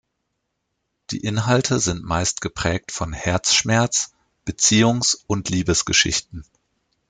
Die Inhalte sind meist geprägt von Herzschmerz-, Beziehungs- und Liebesgeschichten.